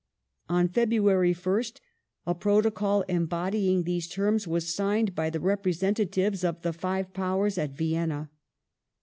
On February 1st a Protocol embodying these terms was signed by the representatives of the Five Powere at Vienna.